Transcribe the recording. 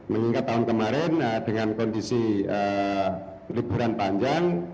mengingat tahun kemarin dengan kondisi liburan panjang